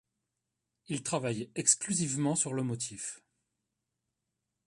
Il travaille exclusivement sur le motif.